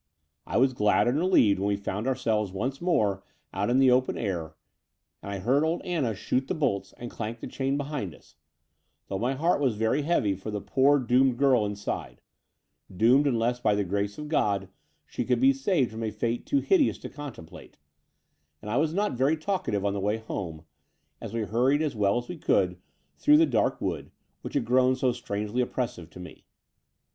I was glad and relieved when we found ourselves once more out in the open air, and I heard old Anna x68 The Door of the Unreal shoot the bolts and clank the chain behind us, though my heart was very heavy for the poor doomed girl inside — doomed unless by the grace of God she could be saved from a fate too hideous to contemplate : and I was not very talkative on the way home, as we hurried as well as we could through the dark wood, which had grown so strangely oppressive to me.